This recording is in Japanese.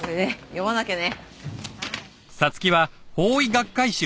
読まなきゃね。